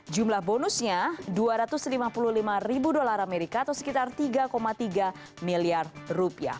jumlah bonusnya dua ratus lima puluh lima ribu dolar amerika atau sekitar tiga tiga miliar rupiah